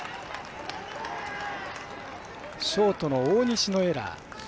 ショートの大西のエラー。